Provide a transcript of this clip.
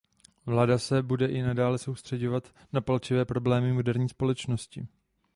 Vláda se bude i nadále soustřeďovat na palčivé problémy moderní společnosti.